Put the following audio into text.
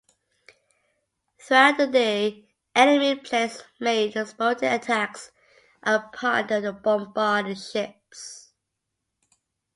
Throughout the day, enemy planes made sporadic attacks upon the bombarding ships.